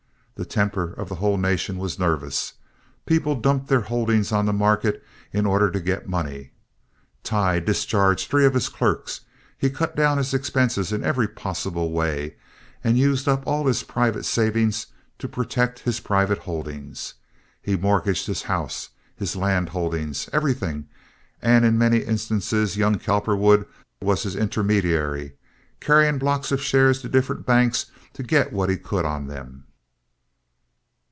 The temper of the whole nation was nervous. People dumped their holdings on the market in order to get money. Tighe discharged three of his clerks. He cut down his expenses in every possible way, and used up all his private savings to protect his private holdings. He mortgaged his house, his land holdings—everything; and in many instances young Cowperwood was his intermediary, carrying blocks of shares to different banks to get what he could on them.